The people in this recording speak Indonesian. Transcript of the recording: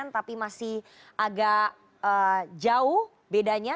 tapi masih agak jauh bedanya